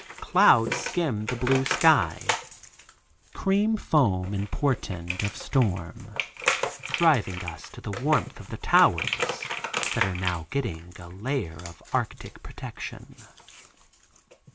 Clouds skim the blue sky. Cream foam in portend of storm, driving us to the warmth of the towers that are now getting a layer of arctic protection.